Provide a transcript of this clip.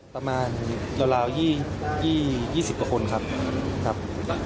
ประมาณราว๒๐กว่าคนครับ